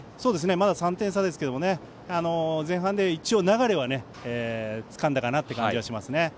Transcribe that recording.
まだ３点差ですけど前半で一応、流れはつかんだかなという感じがします。